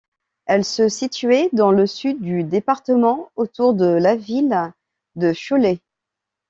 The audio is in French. Elle se situait dans le sud du département, autour de la ville de Cholet.